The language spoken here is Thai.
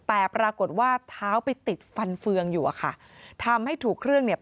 แต่ปรากฏว่าเท้าไปติดฟันเฟืองอยู่อะค่ะทำให้ถูกเครื่องเนี่ย